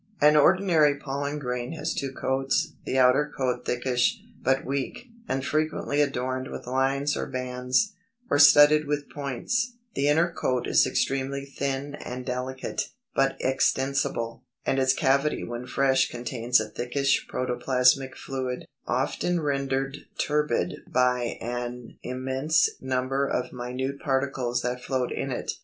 ] 297. An ordinary pollen grain has two coats; the outer coat thickish, but weak, and frequently adorned with lines or bands, or studded with points; the inner coat is extremely thin and delicate, but extensible, and its cavity when fresh contains a thickish protoplasmic fluid, often rendered turbid by an immense number of minute particles that float in it.